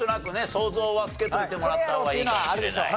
想像はつけといてもらった方がいいかもしれない。